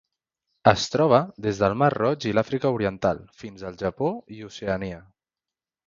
Es troba des del Mar Roig i l'Àfrica Oriental fins al Japó i Oceania.